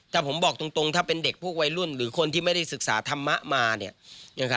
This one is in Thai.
แต่ผมบอกตรงถ้าเป็นเด็กพวกวัยรุ่นหรือคนที่ไม่ได้ศึกษาธรรมะมา